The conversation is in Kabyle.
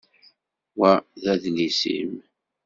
Wa d adlis-im?